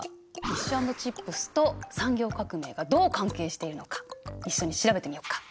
フィッシュ＆チップスと産業革命がどう関係しているのか一緒に調べてみようか。